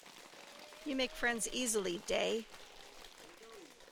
You make friends easily, Day.